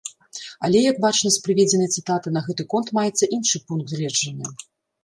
Але, як бачна з прыведзенай цытаты, на гэты конт маецца іншы пункт гледжання.